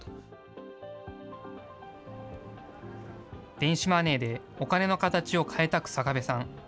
電子マネーでお金の形を変えた日下部さん。